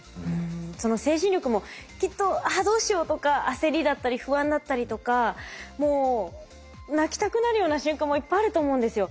その精神力もきっと「ああどうしよう」とか焦りだったり不安だったりとかもう泣きたくなるような瞬間もいっぱいあると思うんですよ。